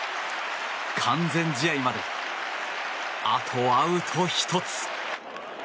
完全試合まであとアウト１つ。